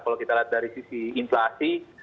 kalau kita lihat dari sisi inflasi